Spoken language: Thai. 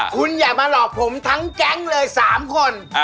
คุณอย่ามาหลอกผมทั้งแก๊งเลย๓คน